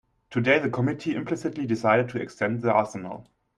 Today the committee implicitly decided to extend the arsenal.